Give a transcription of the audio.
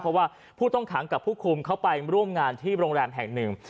เพราะว่าผู้ต้องขังกับผู้คุมเขาไปร่วมงานที่โรงแรมแห่งหนึ่ง